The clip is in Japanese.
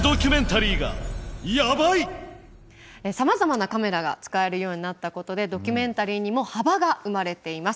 さまざまなカメラが使われるようになったことでドキュメンタリーにも幅が生まれています。